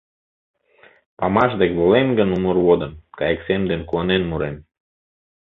Памаш дек волем гын умыр водын, Кайык сем ден куанен мурем.